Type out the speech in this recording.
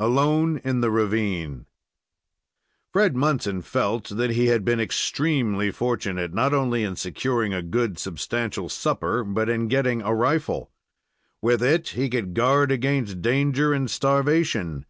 ALONE IN THE RAVINE Fred Munson felt that he had been extremely fortunate, not only in securing a good, substantial supper, but in getting a rifle. With it he could guard against danger and starvation.